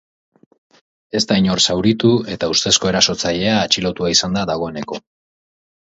Ez da inor zauritu eta ustezko erasotzailea atxilotua izan da dagoeneko.